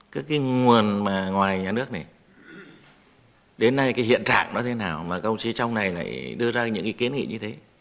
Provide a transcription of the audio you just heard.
các cái nguồn ngoài nhà nước này đến nay cái hiện trạng nó thế nào mà công sĩ trong này lại đưa ra những ý kiến nghị như thế